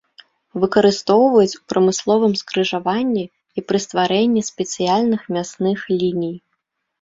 Выкарыстоўваюць у прамысловым скрыжаванні і пры стварэнні спецыяльных мясных ліній.